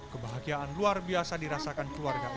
kebahagiaan luar biasa dirasakan keluarga ini